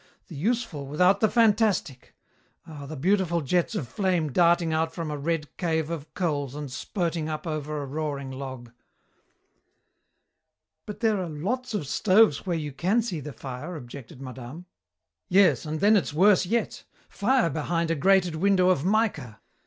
The useful without the fantastic. Ah, the beautiful jets of flame darting out from a red cave of coals and spurting up over a roaring log." "But there are lots of stoves where you can see the fire," objected madame. "Yes, and then it's worse yet. Fire behind a grated window of mica.